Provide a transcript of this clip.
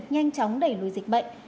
nhanh chóng đẩy lùi dịch bệnh